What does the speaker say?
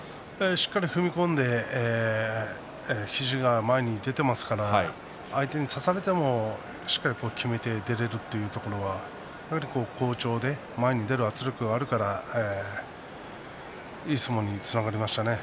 しっかり踏み込んで肘が前に出ていますから相手に差されてもしっかりときめて出られるというところがやはり好調で、前に出る圧力があるからいい相撲につながりましたね。